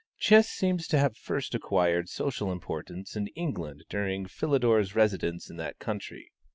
Chess seems to have first acquired social importance in England during Philidor's residence in that country.